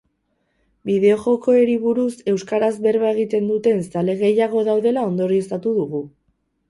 Bideojokoeri buruz euskaraz berba egiten duten zale gehiago daudela ondorioztatu dugu